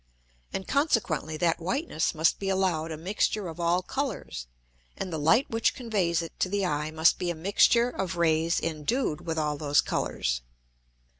And consequently that whiteness must be allow'd a mixture of all Colours, and the Light which conveys it to the Eye must be a mixture of Rays endued with all those Colours.